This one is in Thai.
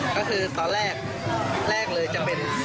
ก็คือตอนแรกแรกเลยจะเป็น